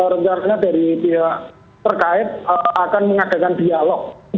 rencananya dari pihak terkait akan mengadakan dialog